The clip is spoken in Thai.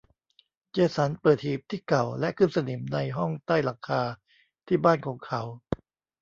เจสันเปิดหีบที่เก่าและขึ้นสนิมในห้องใต้หลังคาที่บ้านของเขา